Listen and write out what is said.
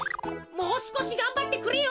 もうすこしがんばってくれよ。